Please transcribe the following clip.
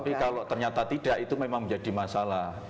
tapi kalau ternyata tidak itu memang menjadi masalah